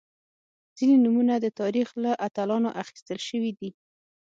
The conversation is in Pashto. • ځینې نومونه د تاریخ له اتلانو اخیستل شوي دي.